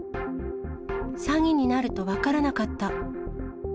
詐欺になると分からなかった。